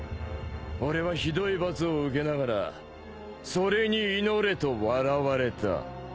俺はひどい罰を受けながらそれに祈れと笑われた。